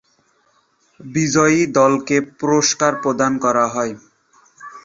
বিজয়ী দলকে পুরস্কার প্রদান করা হয়।